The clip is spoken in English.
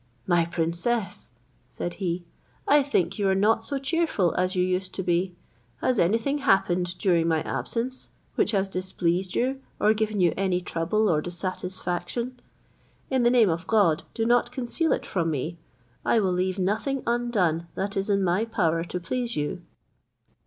"My princess," said he, "I think you are not so cheerful as you used to be; has any thing happened during my absence, which has displeased you, or given you any trouble or dissatisfaction In the name of God, do not conceal it from me; I will leave nothing undone that is in my power to please you."